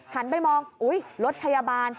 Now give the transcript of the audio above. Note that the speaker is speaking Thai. หันไปมองอุ๊ยรถพยาบาล